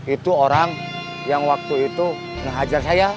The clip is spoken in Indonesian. itu orang yang waktu itu menghajar saya